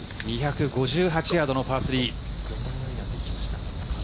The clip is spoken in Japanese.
２５８ヤードのパー３。